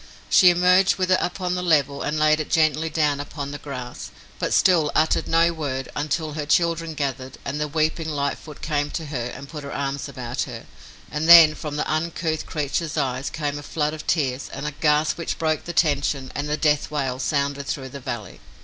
She emerged with it upon the level and laid it gently down upon the grass, but still uttered no word until her children gathered and the weeping Lightfoot came to her and put her arms about her, and then from the uncouth creature's eyes came a flood of tears and a gasp which broke the tension, and the death wail sounded through the valley.